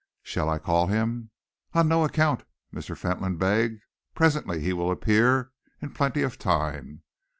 "Shall I call him?" "On no account," Mr. Fentolin begged. "Presently he will appear, in plenty of time.